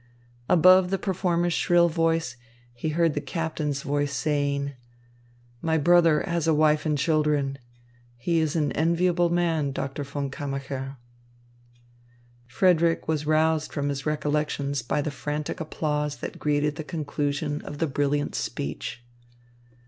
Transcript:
Above the performer's shrill voice, he heard the captain's voice saying: "My brother has a wife and children. He is an enviable man, Doctor von Kammacher." Frederick was roused from his recollections by the frantic applause that greeted the conclusion of the brilliant speech.